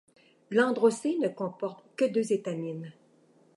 L'androcée ne comporte que deux étamines.